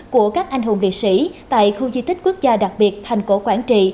của các anh hùng địa sĩ tại khu di tích quốc gia đặc biệt hành cổ quảng trị